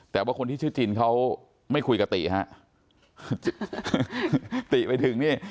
แต่ว่าคนที่ชื่อจินเขาไม่คุยกับติฮะติไปถึงนี่